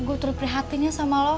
gue terperhatinya sama lo